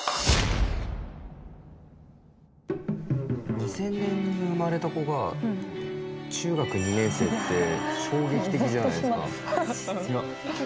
２０００年に生まれた子が中学２年生って衝撃的じゃないですか？